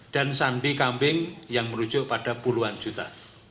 dan sandi kambing yang merujuk pada puluhan juta